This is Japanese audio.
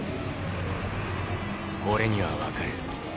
俺には分かる。